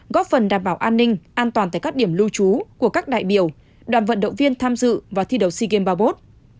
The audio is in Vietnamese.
góp phần đảm bảo an ninh an toàn tại các điểm lưu trú của các đại biểu đoàn vận động viên tham dự và thi đầu sea games ba bốt